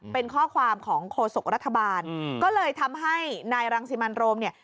เป็นข้อความของโฆษกรัฐบาลก็เลยทำให้นายรังสิมันโรมเนี่ย